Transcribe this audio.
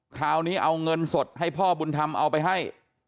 คราวนี้เอาเงินสดให้พ่อบุญธรรมเอาไปให้